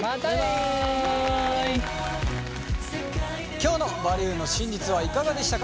今日の「バリューの真実」はいかがでしたか。